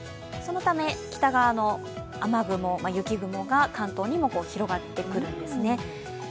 そのため、北側の雨雲、雪雲が関東にも広がってくるんですね。